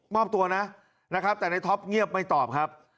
มอบตัวนะนะครับแต่ในท็อปเงียบไม่ตอบครับ